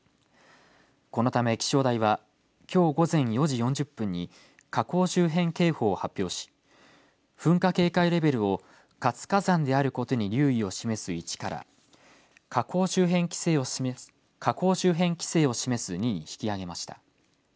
このため気象台はきょう午前４時４０分に火口周辺警報を発表し噴火警戒レベルを活火山であることに留意を示す１から火口周辺規制を示す２に引き上げました。